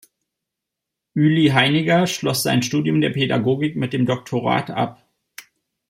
Ueli Heiniger schloss sein Studium der Pädagogik mit dem Doktorat ab.